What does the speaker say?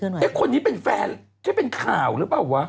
ไอ้คนนี้เป็นแฟนที่เป็นข่าวหรือเปล่าวะ